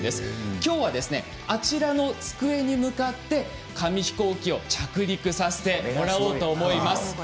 今日はあちらの机に向かって紙飛行機を着陸させてもらおうと思います。